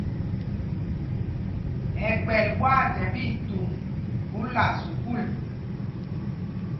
Ɛkpɛl ɓwaathɛmb itumb phúla sukûl.